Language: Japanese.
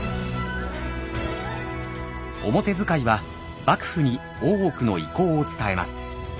表使は幕府に大奥の意向を伝えます。